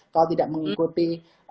kalau tidak mengikuti